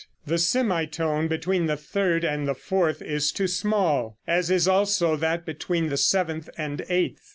The semitone between the third and the fourth is too small, as is also that between the seventh and eighth.